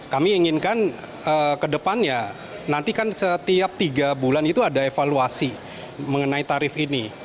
kami inginkan kedepannya nanti kan setiap tiga bulan itu ada evaluasi mengenai tarif ini